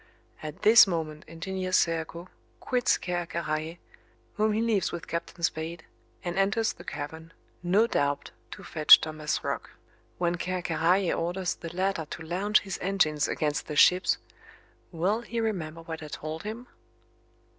At this moment Engineer Serko quits Ker Karraje, whom he leaves with Captain Spade, and enters the cavern, no doubt to fetch Thomas Roch. When Ker Karraje orders the latter to launch his engines against the ships will he remember what I told him?